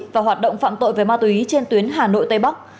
và hoạt động phạm tội về ma túy trên tuyến hà nội tây bắc